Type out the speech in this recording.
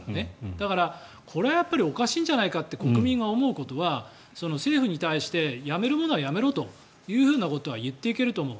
だからこれはおかしいんじゃないかって国民が思うことは政府に対してやめるものはやめろということは言っていけると思う。